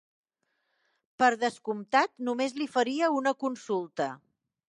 Per descomptat, només li faria una consulta.